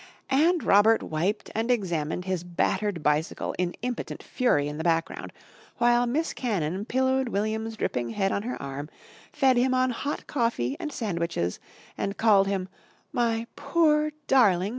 And Robert wiped and examined his battered bicycle in impotent fury in the background while Miss Cannon pillowed William's dripping head on her arm, fed him on hot coffee and sandwiches and called him "My poor darling Red Hand!"